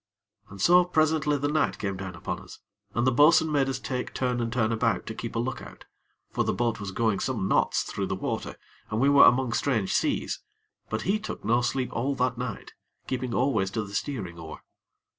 And so, presently, the night came down upon us, and the bo'sun made us take turn and turn about to keep a look out; for the boat was going some knots through the water, and we were among strange seas; but he took no sleep all that night, keeping always to the steering oar.